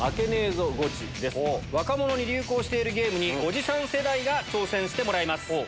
若者に流行してるゲームにおじさん世代が挑戦してもらいます。